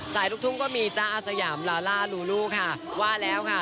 ลูกทุ่งก็มีจ๊ะอาสยามลาล่าลูลูค่ะว่าแล้วค่ะ